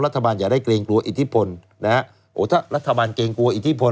รัฐบาลจะได้เกรงกลัวอิทธิพลถ้ารัฐบาลเกรงกลัวอิทธิพล